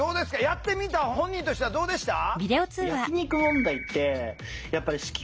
やってみた本人としてはどうでした？